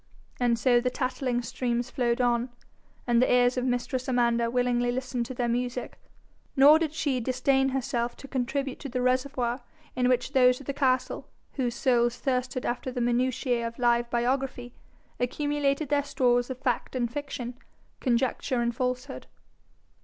And so the tattling streams flowed on, and the ears of mistress Amanda willingly listened to their music, nor did she disdain herself to contribute to the reservoir in which those of the castle whose souls thirsted after the minutiae of live biography, accumulated their stores of fact and fiction, conjecture and falsehood.